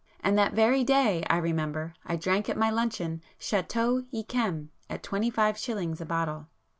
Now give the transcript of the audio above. And that very day I remember, I drank at my luncheon Chateau Yquem at twenty five shillings a bottle.